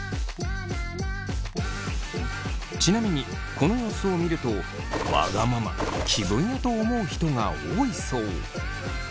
ちなみにこの様子を見るとわがまま気分屋と思う人が多いそう。